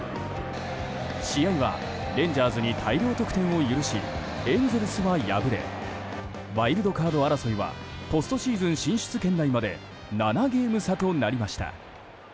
試合は、レンジャーズに大量得点を許しエンゼルスは敗れワイルドカード争いはポストシーズン進出圏内まで７ゲーム差となりました。